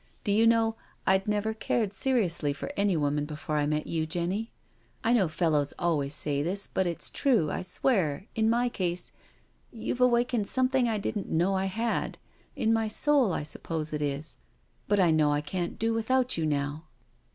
Do you know, Td never cared seriously for any woman before I met you, Jenny? I know fellows always say this, but it's true, I swear, in my case — you've awakened something I didn't know I had my soul, I suppose it is but I know I can't do without you now.